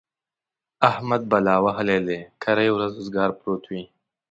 احمد بلا وهلی دی؛ کرۍ ورځ اوزګار پروت وي.